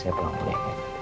saya pulang dulu ya